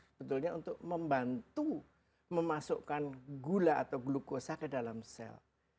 sebetulnya untuk membantu memasukkan gula atau glukosa ke dalam sel